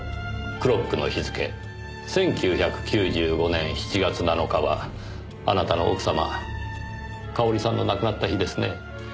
１９９５年７月７日はあなたの奥様香織さんの亡くなった日ですね。